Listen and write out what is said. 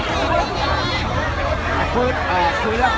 ก็ไม่มีเวลาให้กลับมาเท่าไหร่